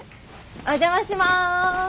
お邪魔します。